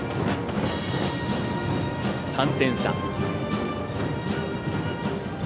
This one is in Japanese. ３点差。